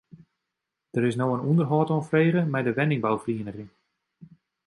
Der is no in ûnderhâld oanfrege mei de wenningbouferieniging.